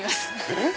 えっ？